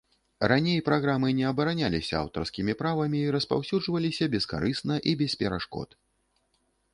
Раней праграмы не абараняліся аўтарскімі правамі і распаўсюджваліся бескарысна і без перашкод.